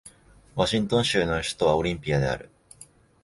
ワシントン州の州都はオリンピアである